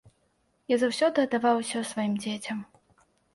Я заўсёды аддаваў усё сваім дзецям.